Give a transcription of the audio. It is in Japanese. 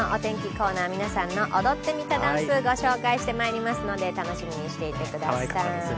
コーナー皆さんの踊ってみたダンス紹介していきますので楽しみにしてください。